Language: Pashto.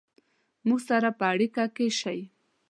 مونږ سره په اړیکه کې شئ